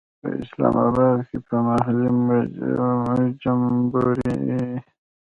په اسلام آباد کې به محلي جمبوري.